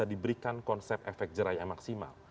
ini juga diberikan konsep efek jerai yang maksimal